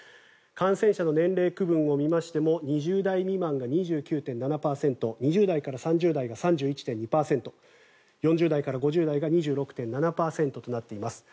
感染者の年齢区分を見ましても２０代未満が２９．７％２０代から３０代が３１．２％４０代から５０代が２６．７％となっています。